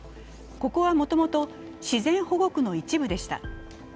ここはもともと自然保護区の一部でした。